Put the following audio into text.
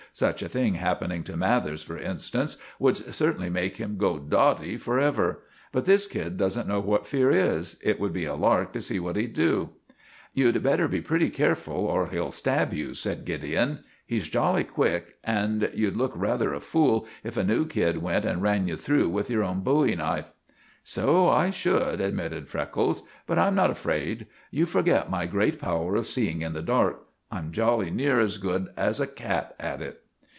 "Such a thing happening to Mathers, for instance, would certainly make him go dotty for ever; but this kid doesn't know what fear is. It would be a lark to see what he'd do." "You'd better be pretty careful, or he'll stab you," said Gideon. "He's jolly quick, and you'd look rather a fool if a new kid went and ran you through with your own bowie knife." "So I should," admitted Freckles; "but I'm not afraid. You forget my great power of seeing in the dark. I'm jolly near as good as a cat at it."